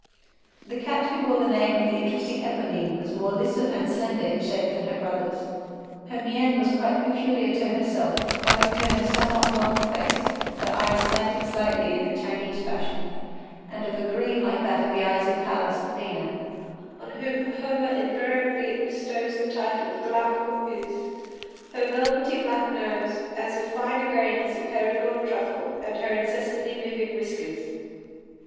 The cat who bore the name of the interesting Eponine was more lissome and slender in shape than her brothers. Her mien was quite peculiar to herself, owing to her somewhat long face, her eyes slanting slightly in the Chinese fashion, and of a green like that of the eyes of Pallas Athene, on whom Homer invariably bestows the title of γλαυκῶπις, her velvety black nose, of as fine a grain as a Perigord truffle, and her incessantly moving whiskers.